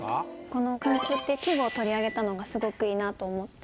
この「薫風」って季語を取り上げたのがすごく良いなと思って。